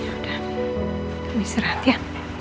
ya udah kamu istirahat ya